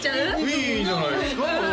いいんじゃないですか？